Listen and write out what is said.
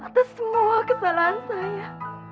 atas semua kesalahan saya